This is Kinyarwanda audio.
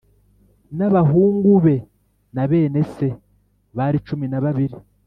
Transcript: n abahungu be na bene se bari cumi na babiri